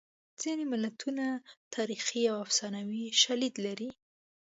ځینې متلونه تاریخي او افسانوي شالید لري